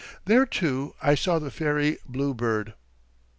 There, too, I saw the fairy bluebird.